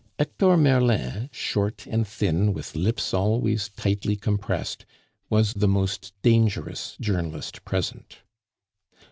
Hector Merlin, short and thin, with lips always tightly compressed, was the most dangerous journalist present.